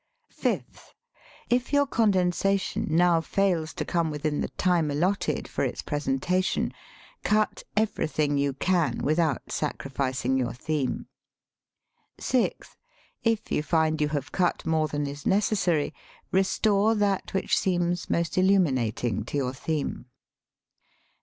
Fifth: If your condensation now fails to come within the time allotted for its presentation, cut everything you can without sacrificing your theme. Sixth: If you find you have cut more than is necessary, restore that which seems most illuminating to your theme.